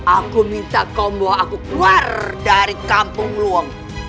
aku minta kau bawa aku keluar dari kampung luang